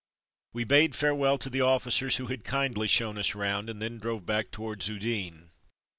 We bade farewell to the officers who had kindly shown us round, and then drove back towards Udine.